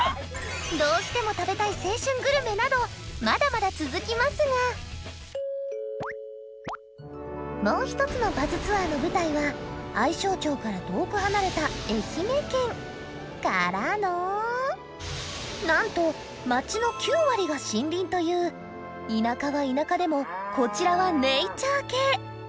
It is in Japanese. どうしても食べたい青春グルメなどまだまだ続きますがもう１つのバズツアーの舞台は愛荘町から遠く離れた愛媛県からのなんと町の９割が森林という田舎は田舎でもこちらはネイチャー系！